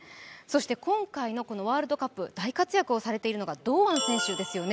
今回のワールドカップ、大活躍をされているのが堂安選手ですよね。